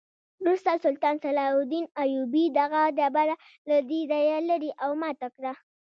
وروسته سلطان صلاح الدین ایوبي دغه ډبره له دې ځایه لرې او ماته کړه.